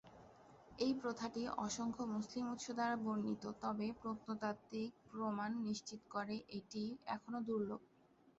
এই প্রথাটি অসংখ্য মুসলিম উৎস দ্বারা বর্ণিত; তবে প্রত্নতাত্ত্বিক প্রমাণ নিশ্চিত করে এটি এখনও দুর্লভ।